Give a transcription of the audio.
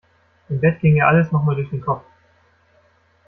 Im Bett ging ihr alles noch mal durch den Kopf.